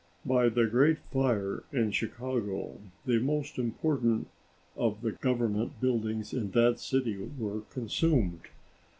By the great fire in Chicago the most important of the Government buildings in that city were consumed.